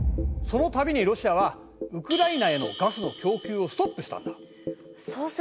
その度にロシアはウクライナへのガスの供給をストップしたんだ。